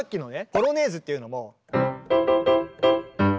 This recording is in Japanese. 「ポロネーズ」っていうのも。